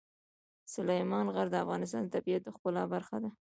سلیمان غر د افغانستان د طبیعت د ښکلا برخه ده.